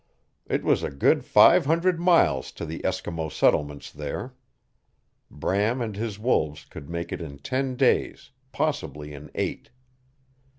It was a good five hundred miles to the Eskimo settlements there. Bram and his wolves could make it in ten days, possibly in eight.